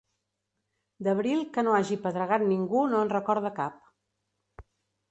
D'abril que no hagi pedregat ningú no en recorda cap.